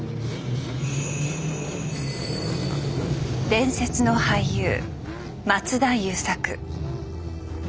伝説の俳優松田優作。